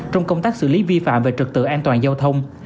trong công tác xử lý vi phạm về trực tự an toàn giao thông